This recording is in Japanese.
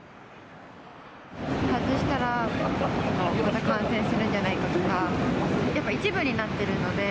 外したらまた感染するんじゃないかとか、やっぱ一部になってるので。